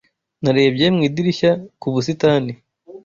Narebye mu idirishya ku busitani.